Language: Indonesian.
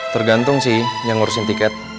tergantung sih yang ngurusin tiket